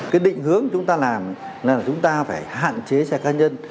cái định hướng chúng ta làm là chúng ta phải hạn chế xe cá nhân